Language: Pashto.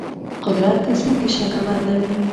قدرت د ځمکې شکل بدلوي.